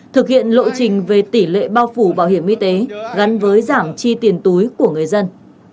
thực hiện lộ trình về tỷ lệ bao phủ bảo hiểm y tế gắn với giảm chi tiền túi của người dân